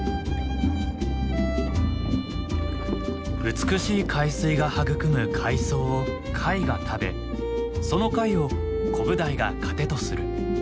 美しい海水が育む海藻を貝が食べその貝をコブダイが糧とする。